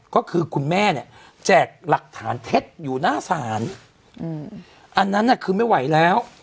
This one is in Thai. ก็คือคุณแม่เนี่ยแจกหลักฐานเท็จอยู่หน้าศาลอันนั้นน่ะคือไม่ไหวแล้ว